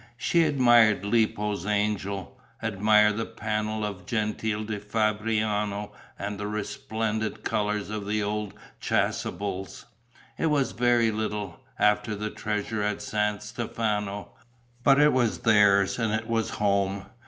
She admired Lippo's angel, admired the panel of Gentile da Fabriano and the resplendent colours of the old chasubles. It was very little, after the treasures at San Stefano, but it was theirs and it was home.